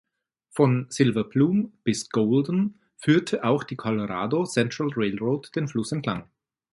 Von "Silver Plume" bis "Golden" führte auch die Colorado Central Railroad den Fluss entlang.